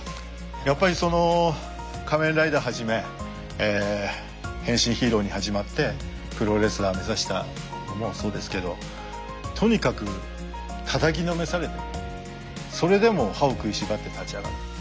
やっぱりその「仮面ライダー」はじめ変身ヒーローに始まってプロレスラー目指したのもそうですけどとにかくたたきのめされてもそれでも歯を食いしばって立ち上がる。